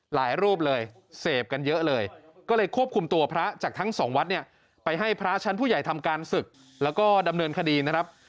รูปเลยเสพกันเยอะเลยก็เลยควบคุมตัวพระจากทั้งสองวัดเนี่ยไปให้พระชั้นผู้ใหญ่ทำการศึกแล้วก็ดำเนินคดีนะครับ